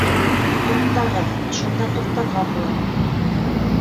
— Туҡтағыҙ, ошонда туҡтарға була.